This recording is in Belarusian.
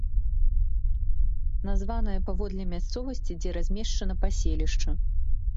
Названая паводле мясцовасці, дзе размешчана паселішча.